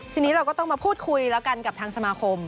ทีนี้เราก็ต้องมาพูดคุยแล้วกันกับทางสมาคม